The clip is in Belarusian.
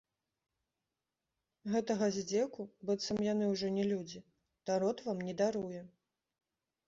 Гэтага здзеку, быццам яны ўжо не людзі, народ вам не даруе.